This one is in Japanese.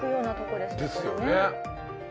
ですよね。